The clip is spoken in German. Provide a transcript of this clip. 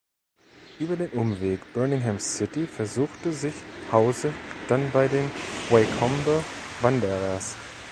Über den Umweg Birmingham City versuchte sich Hause dann bei den Wycombe Wanderers.